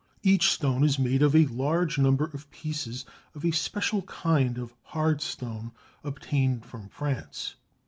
Each stone is made of a large number of pieces of a special kind of hard stone obtained from France.